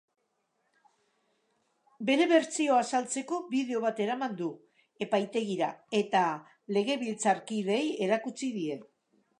Bere bertsioa azaltzeko bideo bat eraman du epaitegira eta legebiltzarkideei erakutsi die.